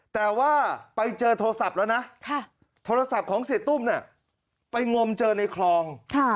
แต่ว่าไปเจอโทรศัพท์แล้วนะโทรศัพท์ของเสียตุ้มเนี่ยไปงมเจอในคลอง